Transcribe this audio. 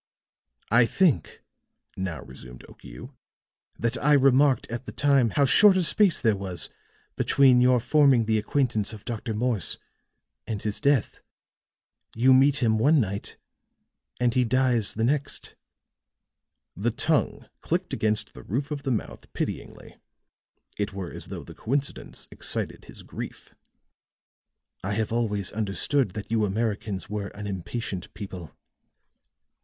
"I think," now resumed Okiu, "that I remarked at the time how short a space there was between your forming the acquaintance of Dr. Morse and his death. You meet him one night and he dies the next." The tongue clicked against the roof of the mouth pityingly; it were as though the coincidence excited his grief. "I have always understood that you Americans were an impatient people.